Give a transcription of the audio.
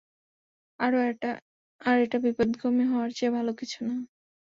আর এটা বিপথগামী হওয়ার চেয়ে ভালো কিছু না।